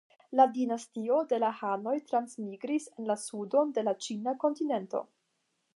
La dinastio de la hanoj transmigris en la sudon de la ĉina kontinento.